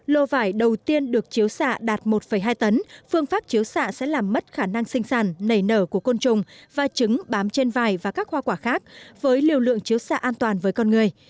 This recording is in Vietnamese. lô vải đầu tiên được chiếu xạ đạt một hai tấn phương pháp chiếu xạ sẽ làm mất khả năng sinh sản nảy nở của côn trùng và trứng bám trên vải và các hoa quả khác với liều lượng chiếu xạ an toàn với con người